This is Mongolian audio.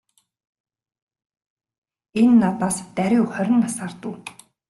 Энэ надаас даруй хорин насаар дүү.